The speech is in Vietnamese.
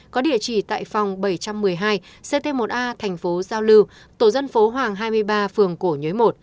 có địa chỉ tại phòng bảy trăm một mươi hai ct một a thành phố giao lưu tổ dân phố hoàng hai mươi ba phường cổ nhới một